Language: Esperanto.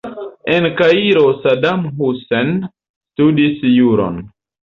En Kairo Saddam Hussein studis juron.